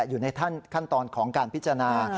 อยู่ในขั้นตอนของการพิจารณา